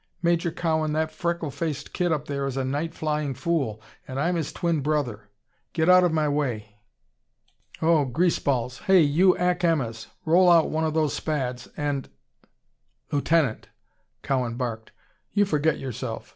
Major Cowan, that freckle faced kid up there is a night flying fool and I'm his twin brother. Get out of my way. Oh, greaseballs! Hey, you Ack Emmas! Roll out one of those Spads and " "Lieutenant!" Cowan barked. "You forget yourself.